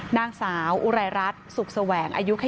นางสาวอุไรรัฐสุขแสวงอายุค่ะ